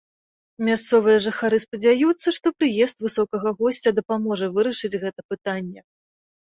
Мясцовыя жыхары спадзяюцца, што прыезд высокага госця дапаможа вырашыць гэта пытанне.